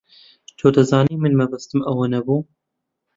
تۆ دەزانیت من مەبەستم ئەوە نەبوو.